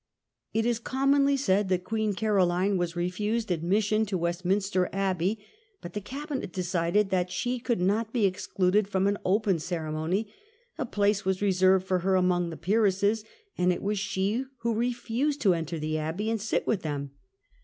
It is commonly said that Queen Caroline was refused admission to Westminster Abbey, but the Cabinet decided that she could not be excluded from an open ceremony ; a place was reserved for her among the Peeresses, and it was she who refused to enter the Abbey and sit with them.